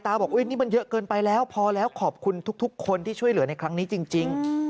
บอกอุ๊ยนี่มันเยอะเกินไปแล้วพอแล้วขอบคุณทุกคนที่ช่วยเหลือในครั้งนี้จริง